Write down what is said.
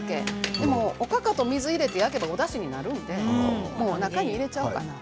おかかと水を入れたらおだしになるので中に入れちゃおうかなと。